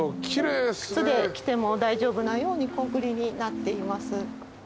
靴で来ても大丈夫なようにコンクリになっています。